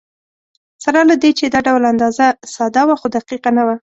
سره له دې چې دا ډول اندازه ساده وه، خو دقیقه نه وه.